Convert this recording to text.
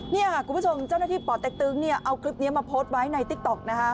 นี่ค่ะคุณผู้ชมเจ้าหน้าที่ป่อเต็กตึงเนี่ยเอาคลิปนี้มาโพสต์ไว้ในติ๊กต๊อกนะคะ